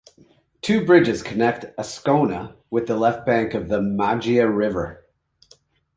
Two bridges connect Ascona with the left bank of the Maggia river.